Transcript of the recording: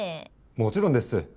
もちろんです。